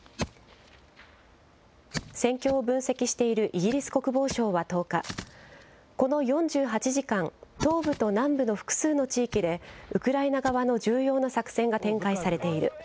戦況を分析しているイギリス国防省は１０日、この４８時間、東部と南部の複数の地域で、ウクライナ側の重要な作戦が展開されている。